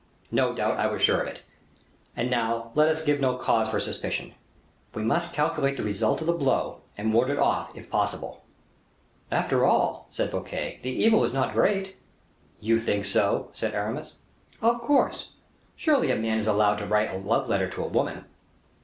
"No doubt; I was sure of it. And now, let us give no cause for suspicion; we must calculate the result of the blow, and ward it off, if possible." "After all," said Fouquet, "the evil is not great." "You think so?" said Aramis. "Of course. Surely a man is allowed to write a love letter to a woman."